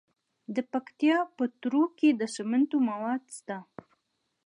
د پکتیکا په تروو کې د سمنټو مواد شته.